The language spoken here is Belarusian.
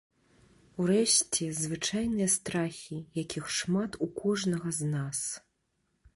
Урэшце, звычайныя страхі, якіх шмат у кожнага з нас.